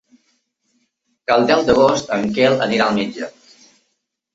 El deu d'agost en Quel anirà al metge.